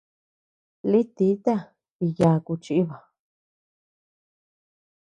Lï tita y yaku chiba.